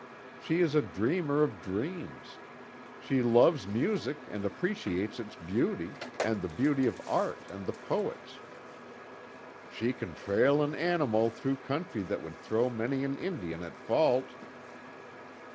She is a dreamer of dreams. She loves music and appreciates its beauty, and the beauty of art and the poets." "She can trail an animal through country that would throw many an Indian at fault."